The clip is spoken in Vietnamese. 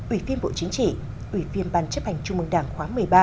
ủy viên bộ chính trị ủy viên ban chấp hành trung mương đảng khóa một mươi ba